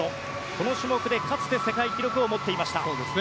この種目でかつて世界記録を持っていました。